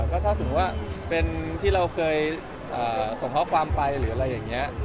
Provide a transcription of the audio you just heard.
ก็ถ้าสมมุติว่าเป็นที่เราเคยส่งข้อความไปหรืออะไรอย่างนี้